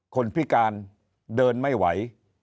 คนพิการเดินไม่ไหว